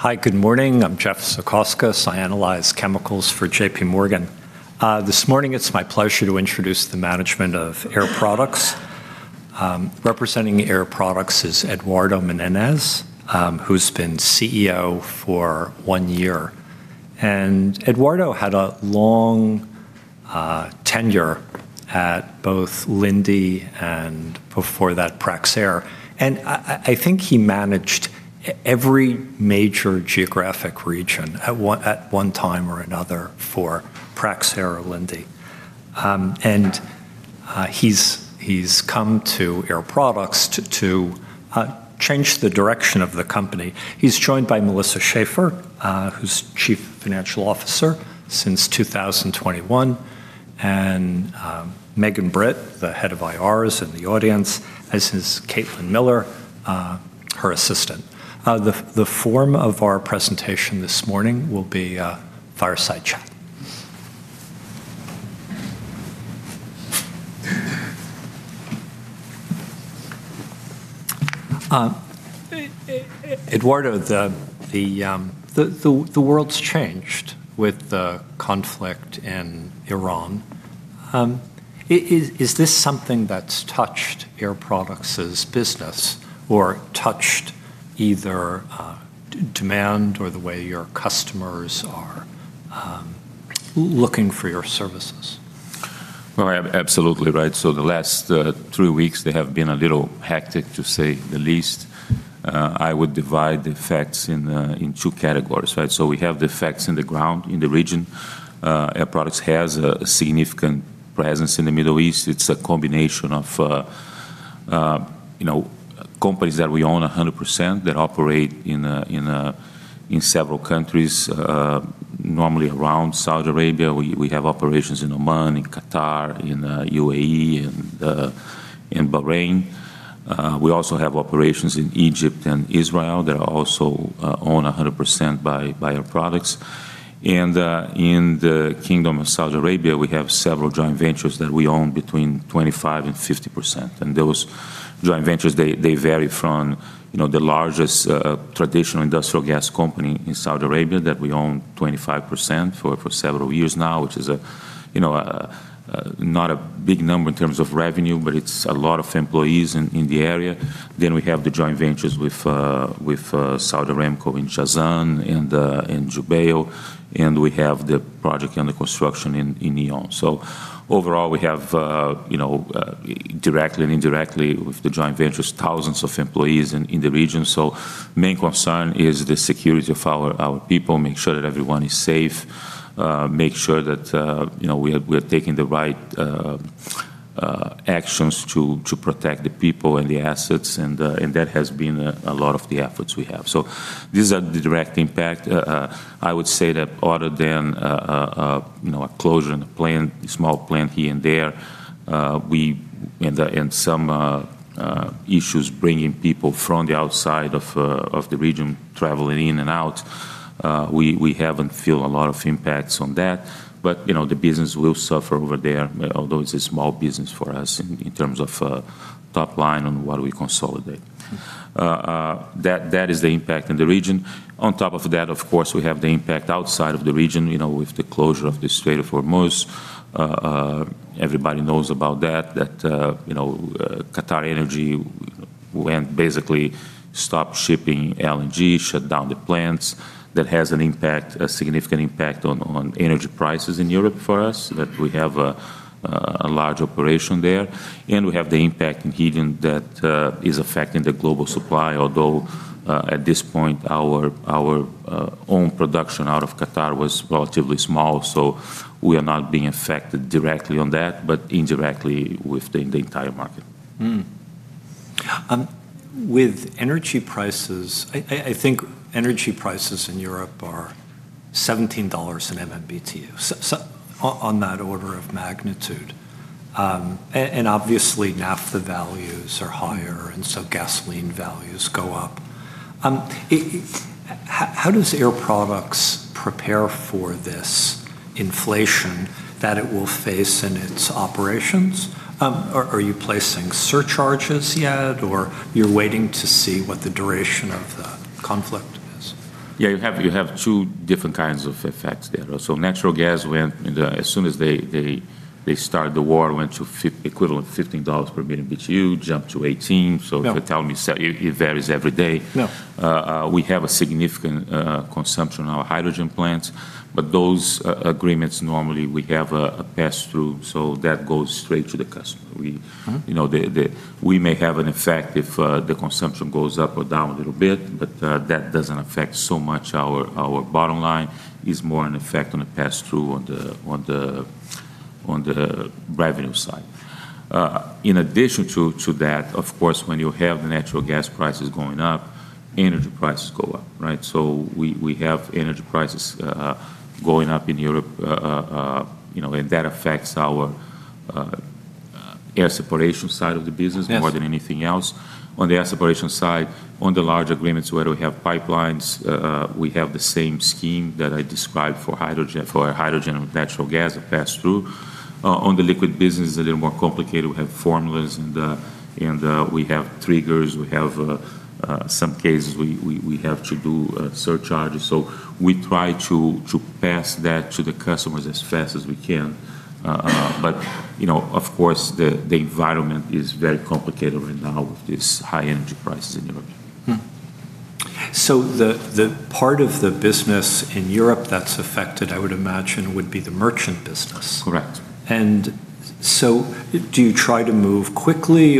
Hi. Good morning. I'm Jeffrey Zekauskas. I analyze chemicals for J.P. Morgan. This morning it's my pleasure to introduce the management of Air Products. Representing Air Products is Eduardo Menezes, who's been CEO for one year. Eduardo had a long tenure at both Linde and before that, Praxair. I think he managed every major geographic region at one time or another for Praxair or Linde. He's come to Air Products to change the direction of the company. He's joined by Melissa Schaeffer, who's Chief Financial Officer since 2021, and Megan Britt, the head of IR in the audience, as is Caitlin Miller, her assistant. The form of our presentation this morning will be a fireside chat. Eduardo, the world's changed with the conflict in Iran. Is this something that's touched Air Products' business or touched either demand or the way your customers are looking for your services? Well, absolutely right. The last 3 weeks have been a little hectic to say the least. I would divide the effects into two categories, right? We have the effects on the ground, in the region. Air Products has a significant presence in the Middle East. It's a combination of, you know, companies that we own 100% that operate in several countries, normally around Saudi Arabia. We have operations in Oman, in Qatar, in UAE, and in Bahrain. We also have operations in Egypt and Israel. They're also owned 100% by Air Products. In the Kingdom of Saudi Arabia, we have several joint ventures that we own between 25%-50%, and those joint ventures, they vary from, you know, the largest traditional industrial gas company in Saudi Arabia that we own 25% for several years now, which is a, you know, not a big number in terms of revenue, but it's a lot of employees in the area. We have the joint ventures with Saudi Aramco in Jazan and in Jubail, and we have the project under construction in NEOM. Overall, we have, you know, directly and indirectly with the joint ventures, thousands of employees in the region. Main concern is the security of our people, make sure that everyone is safe, make sure that you know we are taking the right actions to protect the people and the assets, and that has been a lot of the efforts we have. These are the direct impact. I would say that other than you know a closure in a plant, a small plant here and there, and some issues bringing people from the outside of the region traveling in and out, we haven't feel a lot of impacts on that. You know, the business will suffer over there, although it's a small business for us in terms of top line on what we consolidate. That is the impact in the region. On top of that, of course, we have the impact outside of the region, you know, with the closure of the Strait of Hormuz. Everybody knows about that, QatarEnergy basically stopped shipping LNG, shut down the plants. That has an impact, a significant impact on energy prices in Europe for us, that we have a large operation there. We have the impact in helium that is affecting the global supply, although at this point, our own production out of Qatar was relatively small. We are not being affected directly on that, but indirectly with the entire market. With energy prices, I think energy prices in Europe are $17/MMBtu, on that order of magnitude. Obviously, naphtha values are higher, and so gasoline values go up. How does Air Products prepare for this inflation that it will face in its operations? Are you placing surcharges yet, or you're waiting to see what the duration of the conflict is? Yeah, you have two different kinds of effects there. Natural gas went as soon as they started the war, went to $15 per MMBtu, jumped to $18. Yeah. They tell me it varies every day. Yeah. We have a significant consumption in our hydrogen plants. Those agreements, normally we have a pass-through, so that goes straight to the customer. Uh-huh. You know, we may have an effect if the consumption goes up or down a little bit, but that doesn't affect so much our bottom line. It's more an effect on the pass-through on the revenue side. In addition to that, of course, when you have the natural gas prices going up, energy prices go up, right? We have energy prices, you know, and that affects our air separation side of the business. Yes, More than anything else. On the air separation side, on the large agreements where we have pipelines, we have the same scheme that I described for hydrogen and natural gas, a pass-through. On the liquid business, a little more complicated. We have formulas and we have triggers. We have some cases we have to do surcharges. We try to pass that to the customers as fast as we can. You know, of course, the environment is very complicated right now with this high energy prices in Europe. The part of the business in Europe that's affected, I would imagine, would be the merchant business. Correct. Do you try to move quickly,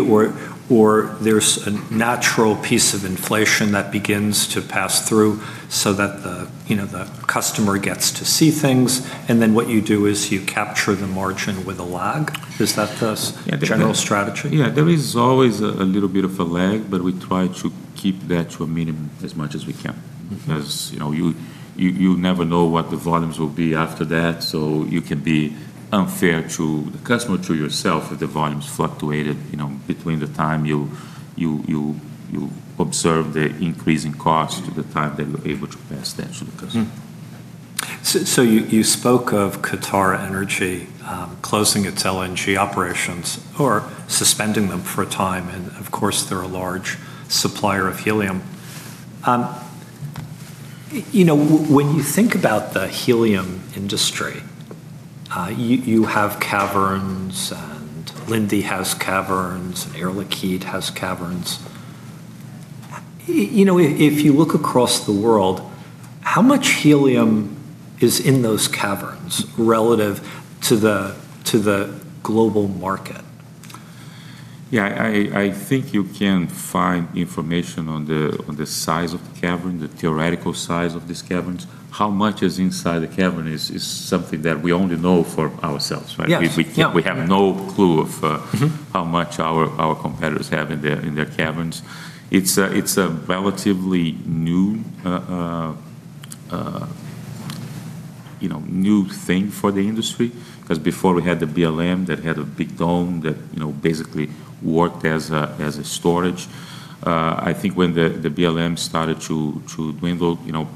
or there's a natural piece of inflation that begins to pass through so that the, you know, the customer gets to see things, and then what you do is you capture the margin with a lag? Is that the s- Yeah, there. general strategy? Yeah. There is always a little bit of a lag, but we try to keep that to a minimum as much as we can. Mm-hmm. 'Cause, you know, you never know what the volumes will be after that, so you can be unfair to the customer, to yourself if the volumes fluctuated, you know, between the time you observe the increase in cost to the time that you're able to pass that to the customer. You spoke of QatarEnergy closing its LNG operations or suspending them for a time, and of course, they're a large supplier of helium. You know, when you think about the helium industry, you have caverns and Linde has caverns, Air Liquide has caverns. You know, if you look across the world, how much helium is in those caverns relative to the global market? Yeah. I think you can find information on the size of the cavern, the theoretical size of these caverns. How much is inside the cavern is something that we only know for ourselves, right? Yes. Yeah. We have no clue of how much our competitors have in their caverns. It's a relatively new, you know, new thing for the industry 'cause before we had the BLM that had a big dome that, you know, basically worked as a storage. I think when the BLM started to dwindle, you know,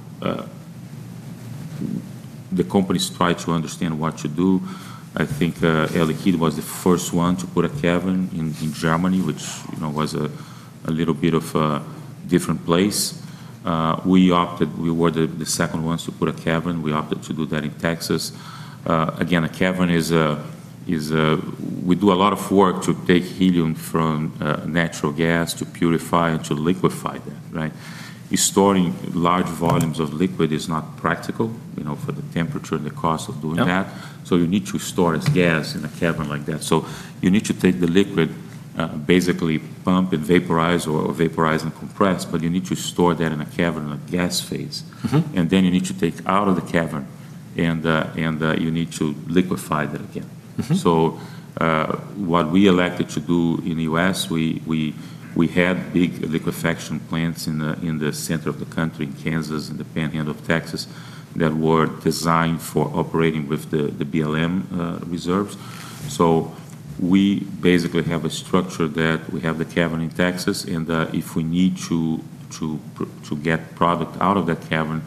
the companies tried to understand what to do. I think, Air Liquide was the first one to put a cavern in Germany, which, you know, was a little bit of a different place. We were the second ones to put a cavern. We opted to do that in Texas. Again, a cavern is a. We do a lot of work to take helium from natural gas to purify and to liquefy that, right? You're storing large volumes of liquid is not practical, you know, for the temperature and the cost of doing that. Yep. You need to store as gas in a cavern like that. You need to take the liquid, basically pump and vaporize or vaporize and compress, but you need to store that in a cavern in a gas phase. Mm-hmm. You need to take out of the cavern and you need to liquefy that again. Mm-hmm. What we elected to do in U.S., we had big liquefaction plants in the center of the country, in Kansas and the Panhandle of Texas, that were designed for operating with the BLM reserves. We basically have a structure that we have the cavern in Texas, and if we need to get product out of that cavern,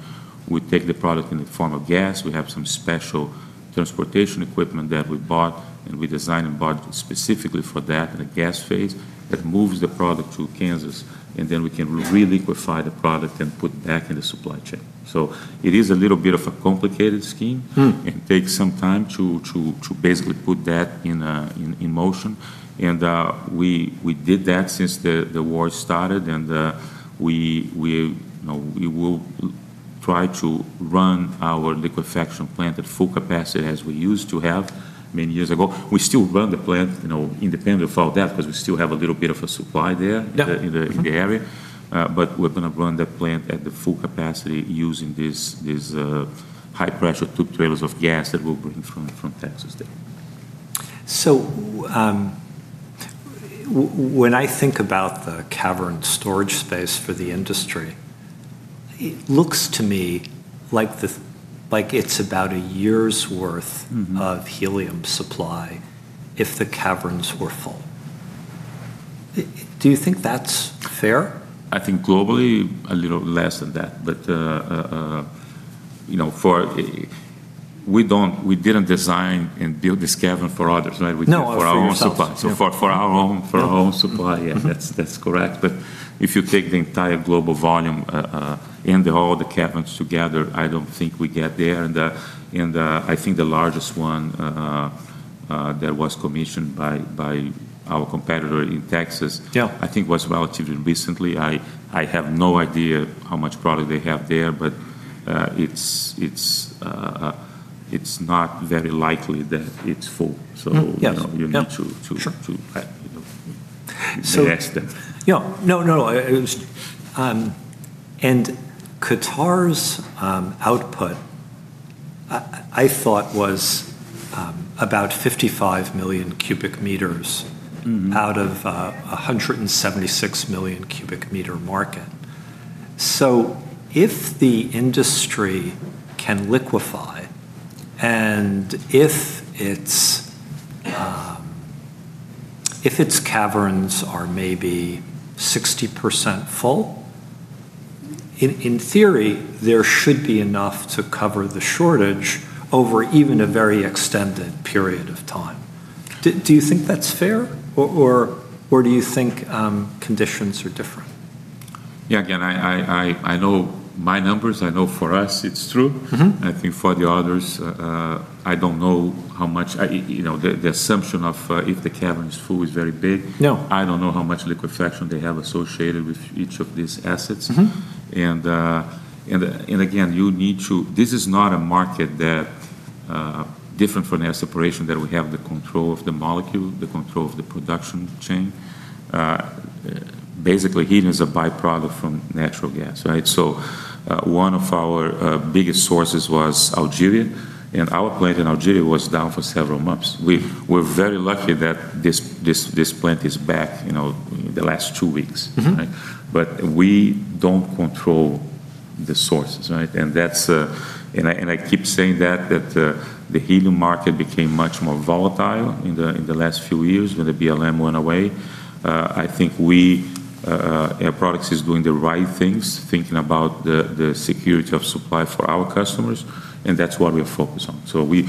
we take the product in the form of gas. We have some special transportation equipment that we bought, and we designed and bought specifically for that in a gas phase that moves the product to Kansas, and then we can re-liquefy the product and put back in the supply chain. It is a little bit of a complicated scheme takes some time to basically put that in motion and we did that since the war started and we, you know, will try to run our liquefaction plant at full capacity as we used to have many years ago. We still run the plant, you know, independent of all that 'cause we still have a little bit of a supply there in the area. We're gonna run that plant at the full capacity using these high pressure tube trailers of gas that we'll bring from Texas there. When I think about the cavern storage space for the industry, it looks to me like it's about a year's worth of helium supply if the caverns were full. Do you think that's fair? I think globally, a little less than that. You know, we didn't design and build this cavern for others, right? We did it. No, for yourself. for our own supply. Mm-hmm. Yeah, that's correct. If you take the entire global volume and all the caverns together, I don't think we get there and I think the largest one that was commissioned by our competitor in Texas. Yeah. I think was relatively recently. I have no idea how much product they have there, but it's not very likely that it's full, you know, you need to assess that. Yeah. No, no. Qatar's output I thought was about 55 million cubic meters out of a 176 million cubic meter market. If the industry can liquefy, and if its caverns are maybe 60% full, in theory, there should be enough to cover the shortage over even a very extended period of time. Do you think that's fair? Or do you think conditions are different? Yeah. Again, I know my numbers. I know for us it's true. Mm-hmm. I think for the others, I don't know how much. You know, the assumption of if the cavern is full is very big. Yeah. I don't know how much liquefaction they have associated with each of these assets. Mm-hmm. This is not a market that's different from air separation that we have the control of the molecule, the control of the production chain. Basically, helium is a byproduct from natural gas, right? One of our biggest sources was Algeria, and our plant in Algeria was down for several months. We're very lucky that this plant is back, you know, the last two weeks. Mm-hmm. Right? We don't control the sources, right? That's. I keep saying that the helium market became much more volatile in the last few years when the BLM went away. I think Air Products is doing the right things, thinking about the security of supply for our customers, and that's what we're focused on. We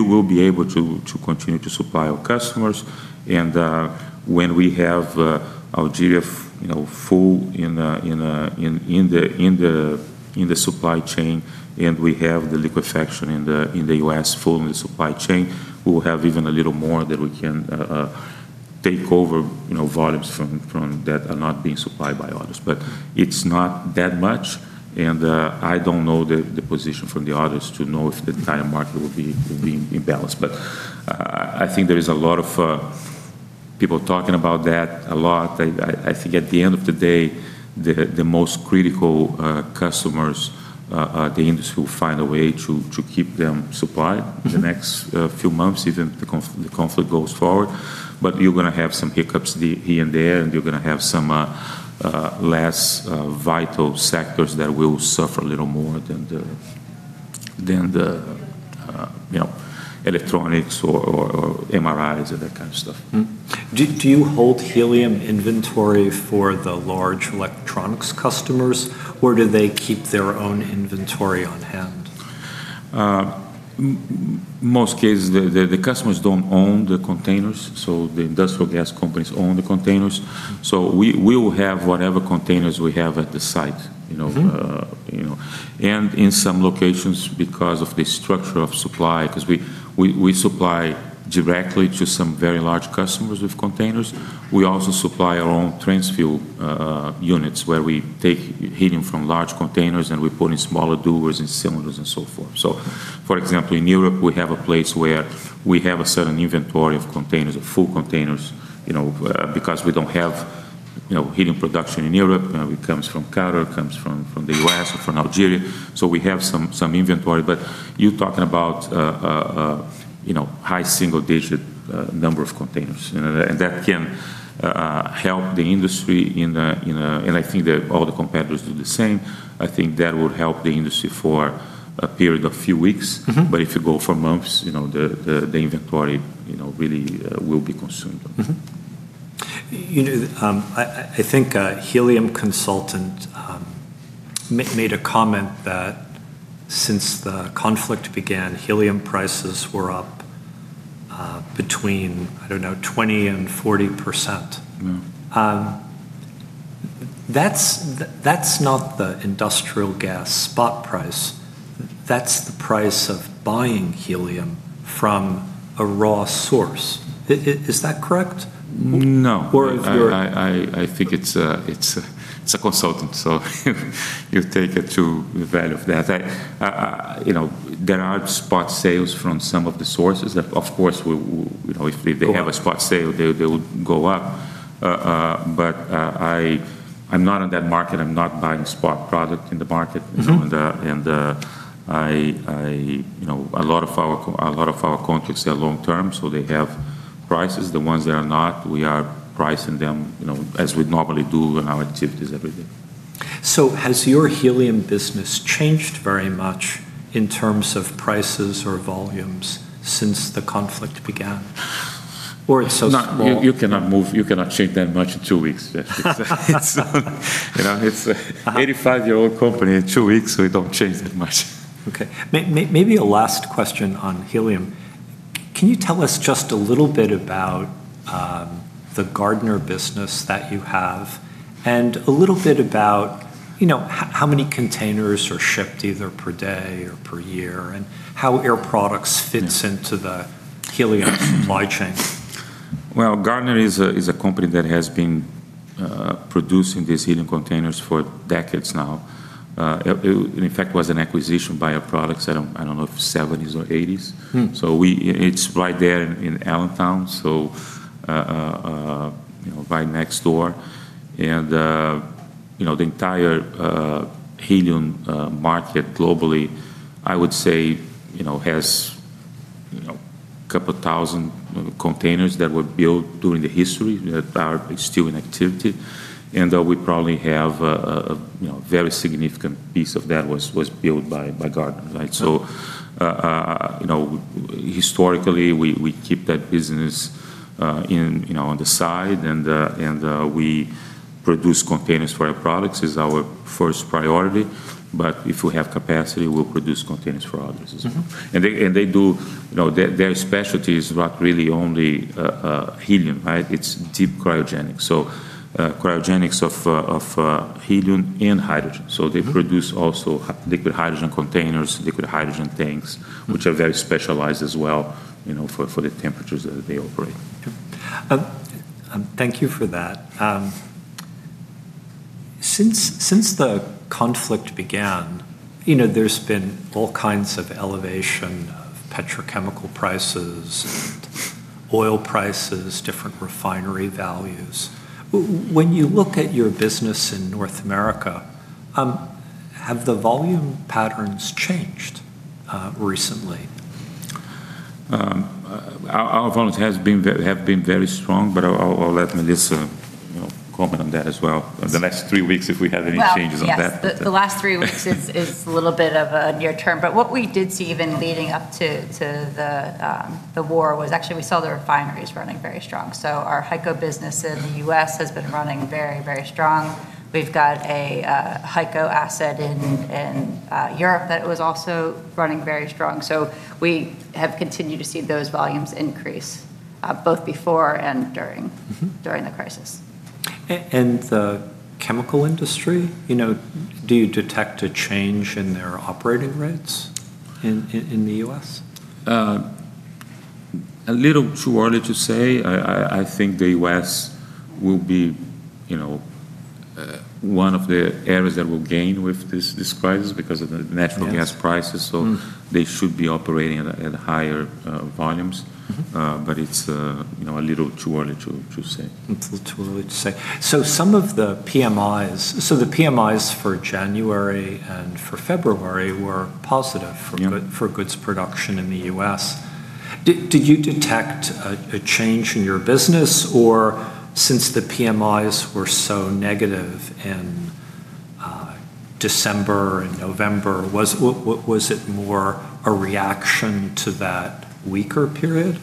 will be able to continue to supply our customers. When we have Algeria, you know, full in the supply chain, and we have the liquefaction in the U.S. full in the supply chain, we'll have even a little more that we can take over, you know, volumes from that are not being supplied by others. It's not that much, and I don't know the position from the others to know if the entire market will be in balance. I think there is a lot of people talking about that a lot. I think at the end of the day, the most critical customers, the industry will find a way to keep them supplied the next few months even if the conflict goes forward. You're gonna have some hiccups here and there, and you're gonna have some less vital sectors that will suffer a little more than the you know electronics or MRIs and that kind of stuff. Do you hold helium inventory for the large electronics customers, or do they keep their own inventory on hand? In most cases, the customers don't own the containers, so the industrial gas companies own the containers. We will have whatever containers we have at the site, you know. Mm-hmm You know. In some locations because of the structure of supply, 'cause we supply directly to some very large customers with containers. We also supply our own transfill units where we take helium from large containers and we put in smaller dewars and cylinders and so forth. For example, in Europe we have a place where we have a certain inventory of containers, of full containers, you know, because we don't have, you know, helium production in Europe. It comes from Qatar, it comes from the U.S. or from Algeria. So we have some inventory. But you're talking about, you know, high single digit number of containers, you know. That can help the industry. I think that all the competitors do the same. I think that will help the industry for a period of few weeks but f you go for months, you know, the inventory, you know, really will be consumed. You know, I think a helium consultant made a comment that since the conflict began, helium prices were up between, I don't know, 20% and 40%. Mm-hmm. That's not the industrial gas spot price. That's the price of buying helium from a raw source. Is that correct? No. Or if you're- I think it's a consultant, so you take it to the value of that. You know, there are spot sales from some of the sources. Of course, we, you know, if they have a spot sale, they will go up. I'm not in that market. I'm not buying spot product in the market. Mm-hmm. You know, a lot of our contracts are long term, so they have prices. The ones that are not, we are pricing them, you know, as we normally do in our activities every day. Has your helium business changed very much in terms of prices or volumes since the conflict began? Or it's so small- No, you cannot change that much in two weeks, Jeff. It's, you know, it's an 85-year-old company. In two weeks, we don't change that much. Okay. Maybe a last question on helium. Can you tell us just a little bit about the Gardner business that you have, and a little bit about, you know, how many containers are shipped either per day or per year, and how Air Products fits into the helium supply chain? Well, Gardner is a company that has been producing these helium containers for decades now. It in fact was an acquisition by Air Products. I don't know, seventies or eighties. Hmm. It's right there in Allentown, you know, right next door. The entire helium market globally, I would say, you know, has a couple thousand containers that were built during the history that are still in activity. We probably have, you know, a very significant piece of that that was built by Gardner, right? Historically, we keep that business, you know, on the side. We produce containers for our products is our first priority. If we have capacity, we'll produce containers for others as well. Mm-hmm. You know, their specialty is not really only helium, right? It's deep cryogenic. Cryogenics of helium and hydrogen. Mm-hmm. They produce also liquid hydrogen containers, liquid hydrogen tanks, which are very specialized as well, you know, for the temperatures that they operate. Yeah. Thank you for that. Since the conflict began, you know, there's been all kinds of oil prices, different refinery values. When you look at your business in North America, have the volume patterns changed recently? Our volumes have been very strong, but I'll let Melissa, you know, comment on that as well. The next three weeks, if we have any changes on that. Well, yes. The last three weeks is a little bit of a near term. What we did see even leading up to the war was actually we saw the refineries running very strong. Our HyCO business in the U.S. has been running very, very strong. We've got a HyCO asset in Europe that was also running very strong. We have continued to see those volumes increase both before and during, during the crisis. The chemical industry, you know, do you detect a change in their operating rates in the U.S.? A little too early to say. I think the U.S. will be, you know, one of the areas that will gain with this crisis because of the natural gas prices. Yes. They should be operating at higher volumes. Mm-hmm. It's, you know, a little too early to say. It's a little too early to say. Some of the PMIs for January and for February were positive for g- Unit. for goods production in the U.S. Did you detect a change in your business, or since the PMIs were so negative in December and November, was it more a reaction to that weaker period?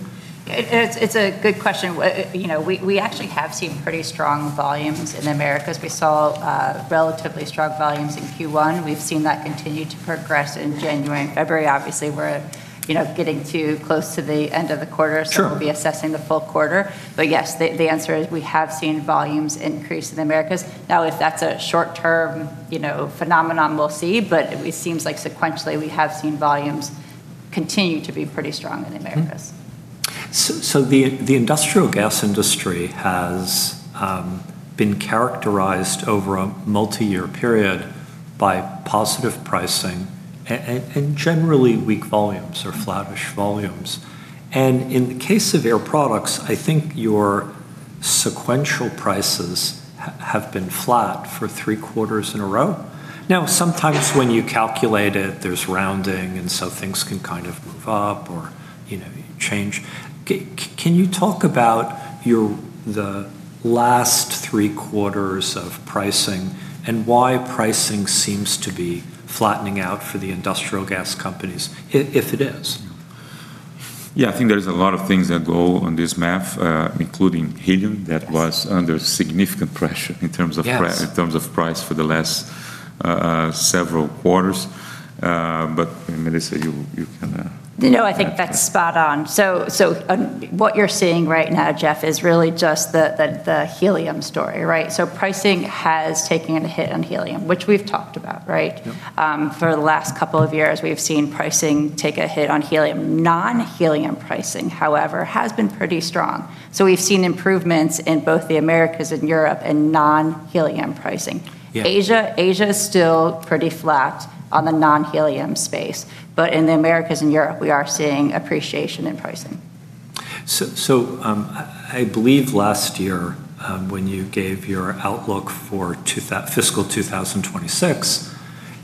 It's a good question. You know, we actually have seen pretty strong volumes in the Americas. We saw relatively strong volumes in Q1. We've seen that continue to progress in January and February. Obviously, we're you know, getting too close to the end of the quarter. We'll be assessing the full quarter. Yes, the answer is we have seen volumes increase in the Americas. Now, if that's a short-term, you know, phenomenon, we'll see. It seems like sequentially we have seen volumes continue to be pretty strong in the Americas. The industrial gas industry has been characterized over a multi-year period by positive pricing and generally weak volumes or flattish volumes. In the case of Air Products, I think your sequential prices have been flat for three quarters in a row. Now, sometimes when you calculate it, there's rounding, and so things can kind of move up or, you know, change. Can you talk about the last three quarters of pricing and why pricing seems to be flattening out for the industrial gas companies, if it is? Yeah, I think there's a lot of things that go on this math, including helium. That was under significant pressure in terms of pri- Yes.... in terms of price for the last several quarters. Melissa, you can You know, I think that's spot on. What you're seeing right now, Jeff, is really just the helium story, right? Pricing has taken a hit on helium, which we've talked about, right. For the last couple of years, we've seen pricing take a hit on helium. Non-helium pricing, however, has been pretty strong. We've seen improvements in both the Americas and Europe in non-helium pricing. Yeah. Asia is still pretty flat on the non-helium space. In the Americas and Europe, we are seeing appreciation in pricing. I believe last year, when you gave your outlook for fiscal 2026,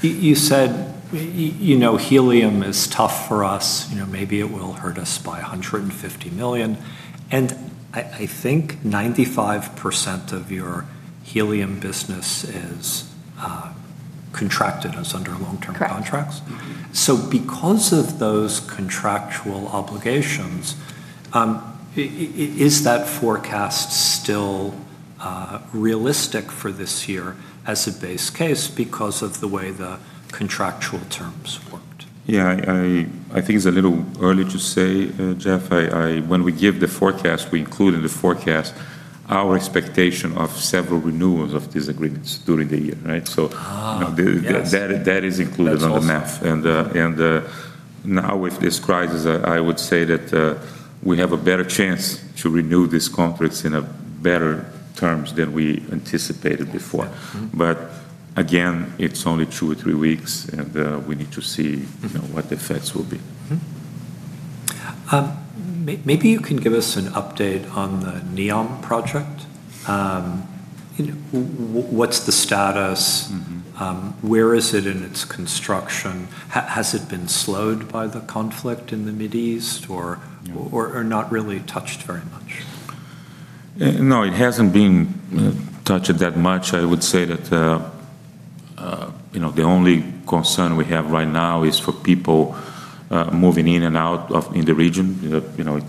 you said, you know, "Helium is tough for us. You know, maybe it will hurt us by $150 million." I think 95% of your helium business is contracted under long-term contracts. Correct. Because of those contractual obligations, is that forecast still realistic for this year as a base case because of the way the contractual terms worked? Yeah, I think it's a little early to say, Jeff. When we give the forecast, we include in the forecast our expectation of several renewals of these agreements during the year, right? Yes. You know, that is included in the math. That's awesome. Now with this crisis, I would say that we have a better chance to renew these contracts in a better terms than we anticipated before. Yeah. Mm-hmm. Again, it's only two or three weeks, and we need to see. Mm-hmm You know, what the effects will be. Maybe you can give us an update on the NEOM project. You know, what's the status? Mm-hmm. Where is it in its construction? Has it been slowed by the conflict in the Middle East or- No. not really touched very much? No, it hasn't been touched that much. I would say that you know, the only concern we have right now is for people moving in and out of the region. You know,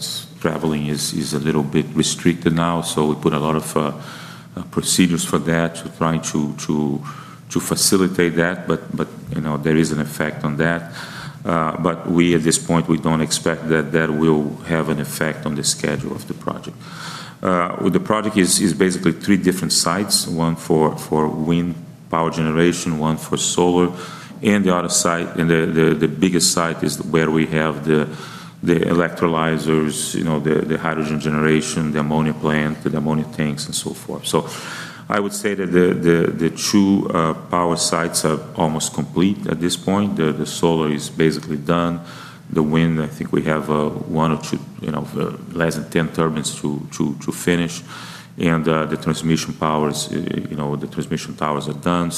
traveling is a little bit restricted now, so we put a lot of procedures for that. We're trying to facilitate that, but you know, there is an effect on that. But at this point, we don't expect that will have an effect on the schedule of the project. The project is basically three different sites, one for wind power generation, one for solar, and the other site, the biggest site is where we have the electrolyzers, you know, the hydrogen generation, the ammonia plant, the ammonia tanks, and so forth. I would say that the two power sites are almost complete at this point. The solar is basically done. The wind, I think we have 1 or 2, you know, less than 10 turbines to finish. The transmission powers, you know, the transmission towers are done.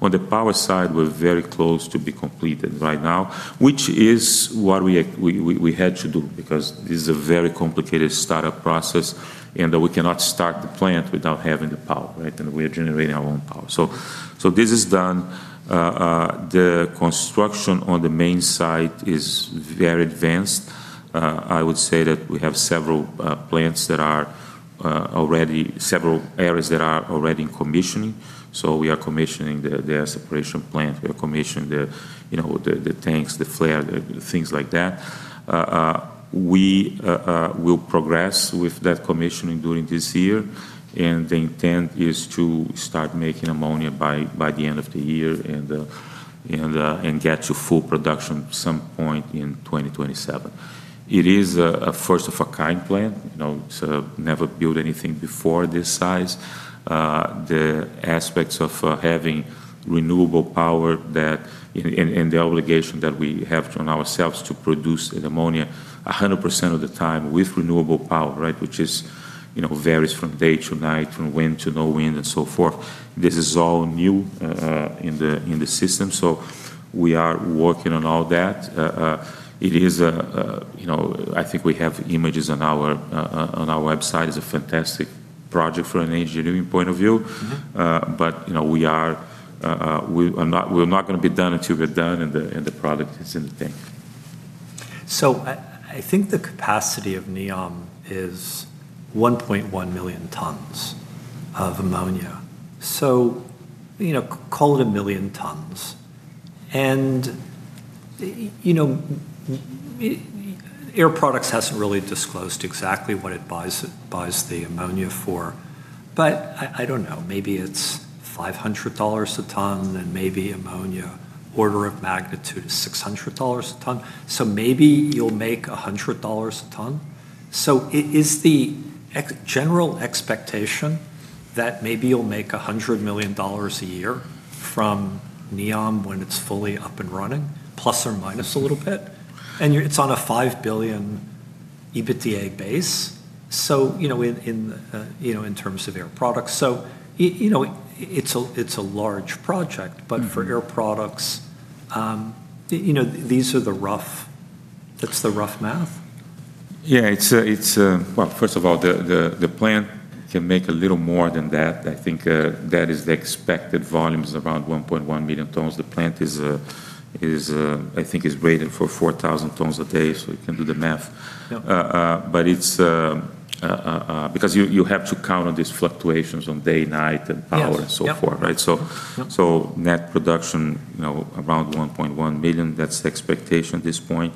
On the power side, we're very close to be completed right now, which is what we had to do because this is a very complicated startup process and that we cannot start the plant without having the power, right? We are generating our own power. This is done. The construction on the main site is very advanced. I would say that we have several areas that are already in commissioning. We are commissioning the air separation plant. We are commissioning you know the tanks, the flare, the things like that. We will progress with that commissioning during this year, and the intent is to start making ammonia by the end of the year and get to full production some point in 2027. It is a first-of-a-kind plant. You know, it's never built anything before this size. The aspects of having renewable power and the obligation that we have on ourselves to produce ammonia 100% of the time with renewable power, right? Which is, you know, varies from day to night, from wind to no wind, and so forth. This is all new in the system, so we are working on all that. It is, you know, I think we have images on our website. It's a fantastic project from an engineering point of view. Mm-hmm. You know, we're not gonna be done until we're done and the product is in the tank. I think the capacity of NEOM is 1.1 million tons of ammonia. You know, call it a million tons. Air Products hasn't really disclosed exactly what it buys the ammonia for. I don't know, maybe it's $500 a ton and maybe ammonia's order of magnitude is $600 a ton, so maybe you'll make $100 a ton. Is the general expectation that maybe you'll make $100 million a year from NEOM when it's fully up and running, plus or minus a little bit? It's on a $5 billion EBITDA base, so, you know, in, you know, in terms of Air Products. You know, it's a large project. Mm-hmm For Air Products, you know, that's the rough math. Yeah. Well, first of all, the plant can make a little more than that. I think the expected volume is around 1.1 million tons. The plant is, I think, rated for 4,000 tons a day, so you can do the math. Yep. It's because you have to count on these fluctuations on day, night, and power. Yes. Yep. and so forth, right? Yep. Net production, you know, around 1.1 million. That's the expectation at this point.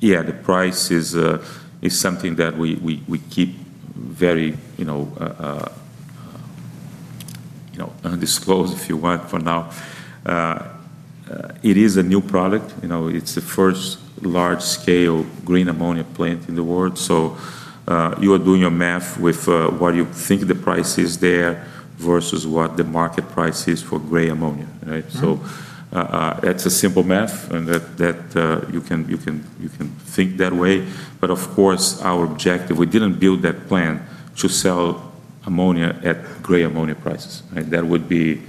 Yeah, the price is something that we keep very, you know, undisclosed if you want for now. It is a new product. You know, it's the first large-scale green ammonia plant in the world. You are doing your math with what you think the price is there versus what the market price is for gray ammonia, right? Right. It's a simple math and that you can think that way. Of course, our objective, we didn't build that plant to sell ammonia at gray ammonia prices, right? That would be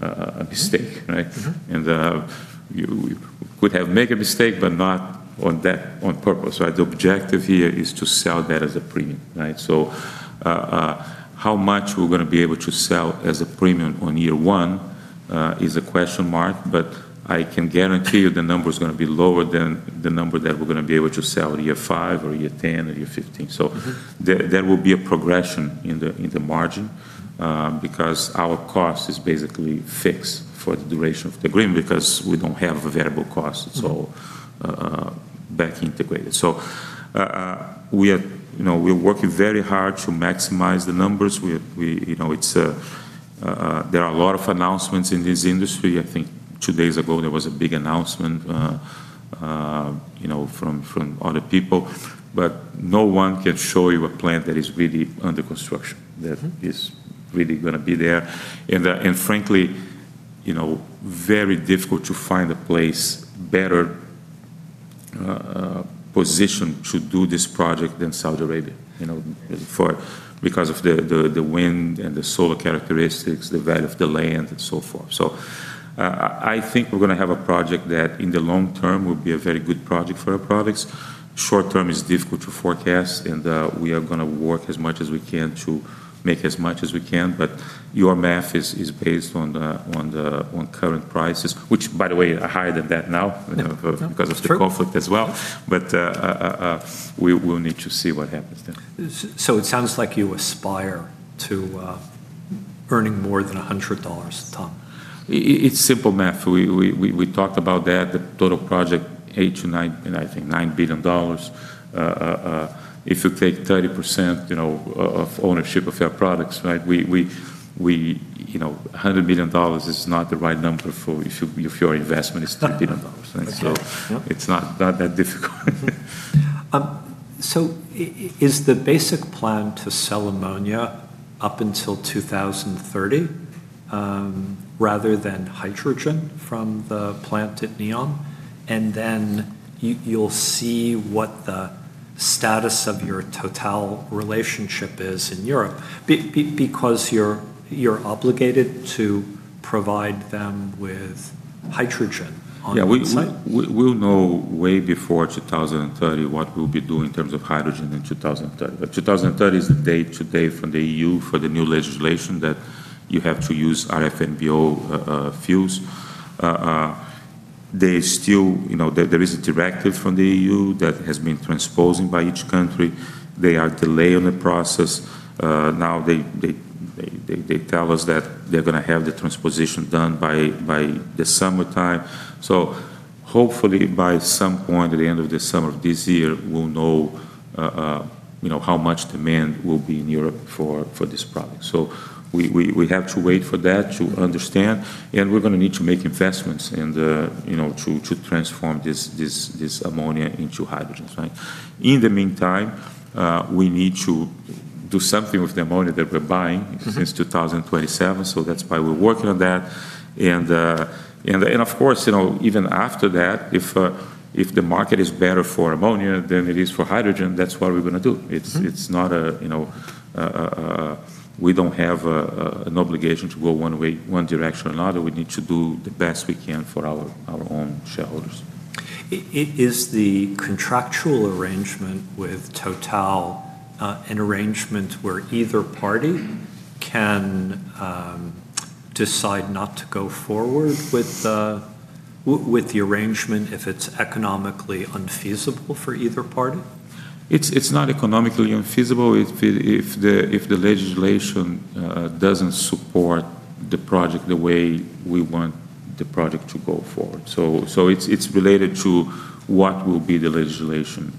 a mistake, right? Mm-hmm. You could have made a mistake, but not on that on purpose, right? The objective here is to sell that as a premium, right? How much we're gonna be able to sell as a premium on year one is a question mark, but I can guarantee you the number is gonna be lower than the number that we're gonna be able to sell year five or year 10 or year 15. Mm-hmm. There will be a progression in the margin, because our cost is basically fixed for the duration of the agreement because we don't have a variable cost. Mm-hmm. It's all back integrated. You know, we're working very hard to maximize the numbers. You know, it's there are a lot of announcements in this industry. I think two days ago, there was a big announcement, you know, from other people. No one can show you a plant that is really under construction. Mm-hmm. That is really gonna be there. Frankly, you know, very difficult to find a place better positioned to do this project than Saudi Arabia, you know, because of the wind and solar characteristics, the value of the land and so forth. I think we're gonna have a project that in the long term will be a very good project for Air Products. Short term is difficult to forecast, and we are gonna work as much as we can to make as much as we can. But your math is based on current prices, which by the way, are higher than that now. Yeah. No. you know, because of the It's true. conflict as well. We will need to see what happens then. It sounds like you aspire to earning more than $100 a ton. It's simple math. We talked about that. The total project $8 billion-$9 billion, you know, I think $9 billion. If you take 30% of ownership of our products, right? You know, $100 billion is not the right number for if your investment is $30 billion. Right. Yeah. It's not that difficult. Is the basic plan to sell ammonia up until 2030, rather than hydrogen from the plant at NEOM, and then you'll see what the status of your TotalEnergies relationship is in Europe? Because you're obligated to provide them with hydrogen on the site. Yeah. We'll know way before 2030 what we'll be doing in terms of hydrogen in 2030. 2030 is the date to date from the EU for the new legislation that you have to use RFNBO fuels. You know, there is a directive from the EU that has been transposing by each country. There is a delay in the process. Now they tell us that they're gonna have the transposition done by the summertime. Hopefully by some point at the end of the summer of this year we'll know, you know, how much demand will be in Europe for this product. We have to wait for that to understand, and we're gonna need to make investments in the you know to transform this ammonia into hydrogens, right? In the meantime, we need to do something with the ammonia that we're buying. Mm-hmm. Since 2027, so that's why we're working on that. Of course, you know, even after that, if the market is better for ammonia than it is for hydrogen, that's what we're gonna do. Mm-hmm. It's not, you know, we don't have an obligation to go one way, one direction or another. We need to do the best we can for our own shareholders. Is the contractual arrangement with Total an arrangement where either party can decide not to go forward with the arrangement if it's economically unfeasible for either party? It's not economically unfeasible if the legislation doesn't support the project the way we want the project to go forward. It's related to what will be the legislation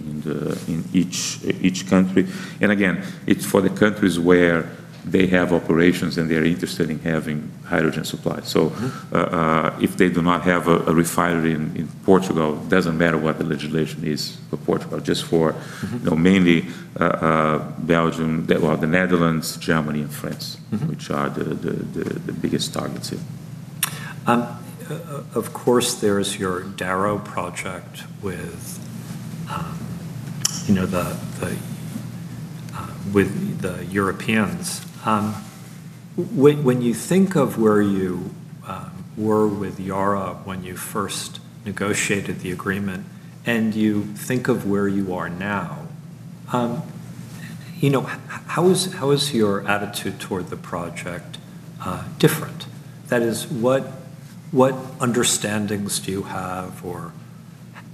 in each country. It's for the countries where they have operations and they're interested in having hydrogen supply. Mm-hmm. If they do not have a refinery in Portugal, it doesn't matter what the legislation is for Portugal. Just for Mm-hmm you know, mainly, Belgium, well, the Netherlands, Germany and France. Mm-hmm. which are the biggest targets here. Of course, there's your Darrow project with, you know, the Europeans. When you think of where you were with Yara when you first negotiated the agreement and you think of where you are now, you know, how is your attitude toward the project different? That is, what understandings do you have, or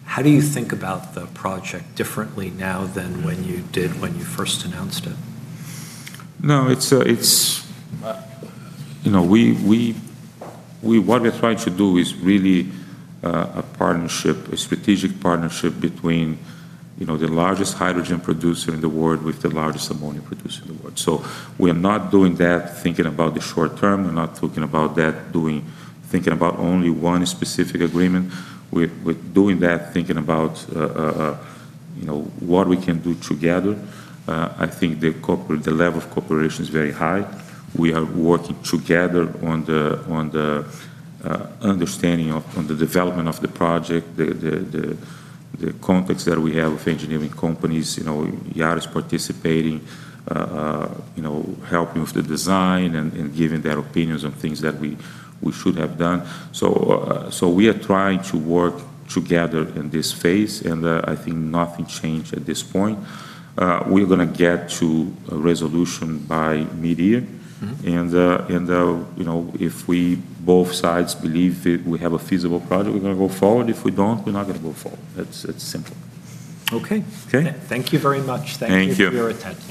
how do you think about the project differently now than when you did when you first announced it? No, it's. You know, what we're trying to do is really a partnership, a strategic partnership between, you know, the largest hydrogen producer in the world with the largest ammonia producer in the world. We're not doing that thinking about the short term. We're not talking about that thinking about only one specific agreement. We're doing that thinking about, you know, what we can do together. I think the level of cooperation is very high. We are working together on the understanding of, on the development of the project. The contracts that we have with engineering companies. You know, Yara's participating, you know, helping with the design and giving their opinions on things that we should have done. We are trying to work together in this phase, and I think nothing changed at this point. We're gonna get to a resolution by midyear. Mm-hmm. You know, if both sides believe that we have a feasible project, we're gonna go forward. If we don't, we're not gonna go forward. It's simple. Okay. Okay? Thank you very much. Thank you. Thank you for your attention.